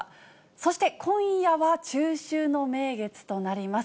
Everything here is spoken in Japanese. そして今夜は中秋の名月となります。